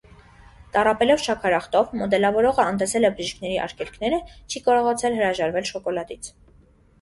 Տառապելով շաքարախտով՝ մոդելավորողը անտեսել է բժիշկների արգելքները, չի կարողացել հրաժարվել շոկոլադից։